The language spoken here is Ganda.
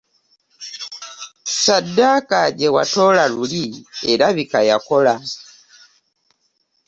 Ssaddaaka gye watoola luli erabika yakola.